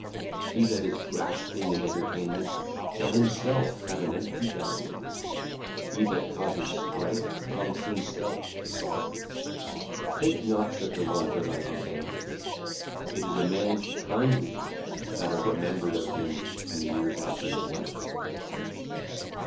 He that is grasping in entertainment shall himself have an empty belly; he that causeth strife cometh himself to sorrow. Take not such an one for thy companion. It is a man's kindly acts that are remembered of him in the years after his life.